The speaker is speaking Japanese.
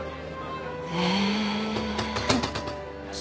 へえ。